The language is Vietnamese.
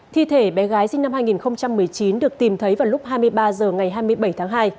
thi thể bé gái sinh năm hai nghìn một mươi chín được tìm thấy vào lúc hai mươi ba h ngày hai mươi bảy tháng hai